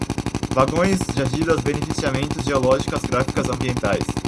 vagões, jazidas, beneficiamento, geológicas, geográficas, ambientais